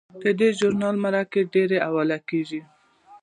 د دې ژورنال مقالې ډیرې حواله کیږي.